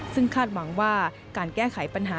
ซึ่งคาดหวังว่าการแก้ไขปัญหา